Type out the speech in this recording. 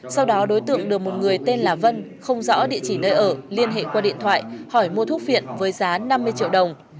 sau đó đối tượng được một người tên là vân không rõ địa chỉ nơi ở liên hệ qua điện thoại hỏi mua thuốc phiện với giá năm mươi triệu đồng